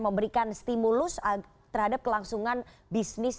memberikan stimulus terhadap kelangsungan bisnis